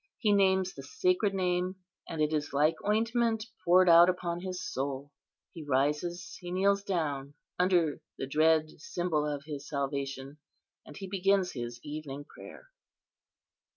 He names the sacred Name, and it is like ointment poured out upon his soul. He rises; he kneels down under the dread symbol of his salvation; and he begins his evening prayer.